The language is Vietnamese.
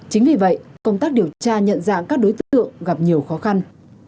chính vì vậy công tác điều tra nhận dạng các đối tượng gặp nhiều khó khăn